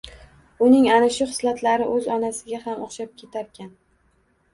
Uning ana shu xislatlari o`z onasiga ham o`xshab ketarkan